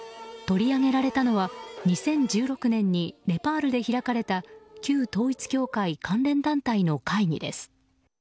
取り上げられたのは２０１６年にネパールで開かれた旧統一教会関連団体の会議です。